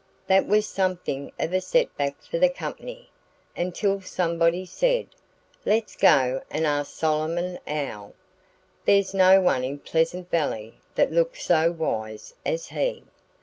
That was something of a setback for the company, until somebody said, "Let's go and ask Solomon Owl! There's no one in Pleasant Valley that looks so wise as he!"